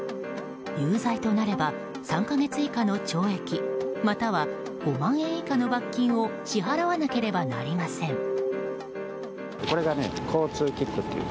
有罪となれば、３か月以下の懲役または５万円以下の罰金を支払わなければなりません。